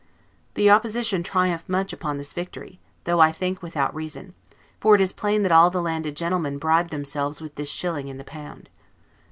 The Opposition triumph much upon this victory; though, I think, without reason; for it is plain that all the landed gentlemen bribed themselves with this shilling in the pound.